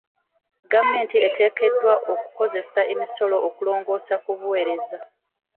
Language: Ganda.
Gavumenti eteekeddwa okukozesa emisolo okulongoosa ku buweereza.